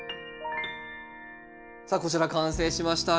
さあこちら完成しました。